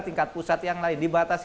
tingkat pusat yang lain dibatasi